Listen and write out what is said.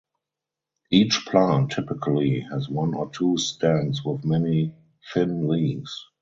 Each plant typically has one or two stems with many thin leaves.